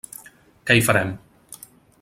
Què hi farem.